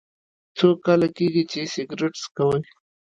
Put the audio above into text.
څو کاله کیږي چې سګرټ څکوئ؟